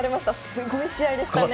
すごい試合でしたね。